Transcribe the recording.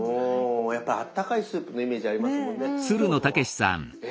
やっぱりあったかいスープのイメージありますもんね。